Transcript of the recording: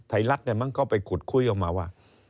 ไทรลักษณ์มันเขาไปขุดคุยออกมาว่า